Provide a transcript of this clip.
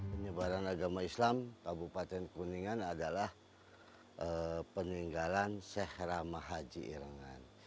penyebaran agama islam di kabupaten kuningan adalah peninggalan sheikh rahmah haji irengan